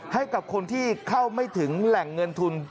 ให้กับคนที่เข้าไม่ถึงแหล่งเงินทุน